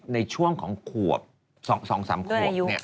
ในช่วงของขวบ๒๓ขวบ